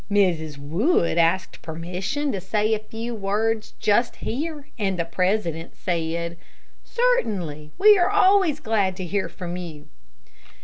Mrs. Wood asked permission to say a few words just here, and the president said: "Certainly, we are always glad to hear from you."